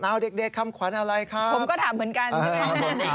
เอาเด็กเด็กคำขวัญอะไรครับผมก็ถามเหมือนกันใช่ไหมฮะ